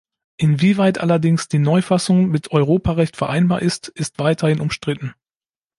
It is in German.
Inwieweit allerdings die Neufassung mit Europarecht vereinbar ist, ist weiterhin umstritten.